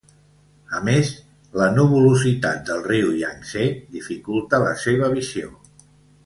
A més, la nuvolositat del riu Iang-Tsé dificulta la seva visió.